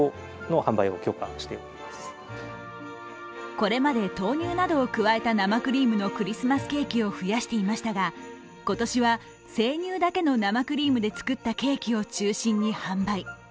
これまで豆乳などを加えた生クリームのクリスマスケーキを増やしていましたが、今年は生乳だけの生クリームで作ったケーキを販売。